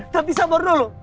tapi sabar dulu